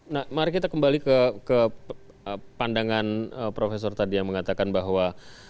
nah mari kita kembali ke pandangan profesor tadi yang mengatakan bahwa